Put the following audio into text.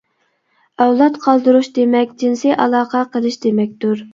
ئەۋلاد قالدۇرۇش دېمەك، جىنسىي ئالاقە قىلىش دېمەكتۇر.